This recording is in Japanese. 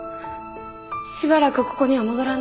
しばらくここには戻らない。